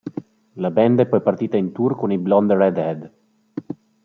La band è poi partita in tour con i Blonde Redhead.